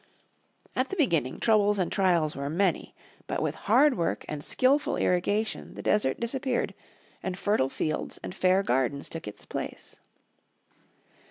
At the beginning, troubles and trials were many. But with hard work and skilful irrigation the desert disappeared, and fertile fields and fair gardens took its place.